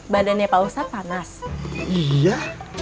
badannya pak ustadz panas iya